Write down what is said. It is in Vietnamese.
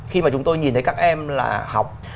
khi mà chúng tôi nhìn thấy các em là học